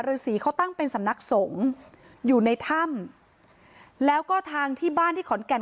ฤษีเขาตั้งเป็นสำนักสงฆ์อยู่ในถ้ำแล้วก็ทางที่บ้านที่ขอนแก่น